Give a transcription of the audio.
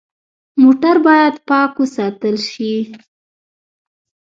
موټر باید پاک وساتل شي.